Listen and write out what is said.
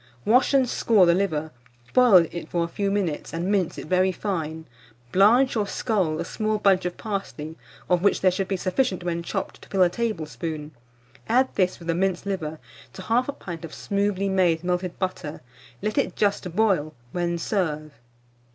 Wash and score the liver, boil it for a few minutes, and mince it very fine; blanch or scald a small bunch of parsley, of which there should be sufficient when chopped to fill a tablespoon; add this, with the minced liver, to 1/2 pint of smoothly made melted butter; let it just boil; when serve.